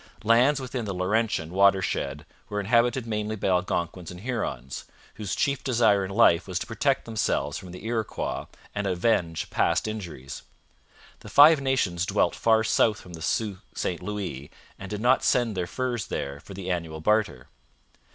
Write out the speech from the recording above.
Lands within the Laurentian watershed were inhabited mainly by Algonquins and Hurons, whose chief desire in life was to protect themselves from the Iroquois and avenge past injuries. The Five Nations dwelt far south from the Sault St Louis and did not send their furs there for the annual barter.